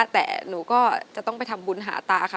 แต่หนูก็จะต้องไปทำบุญหาตาค่ะ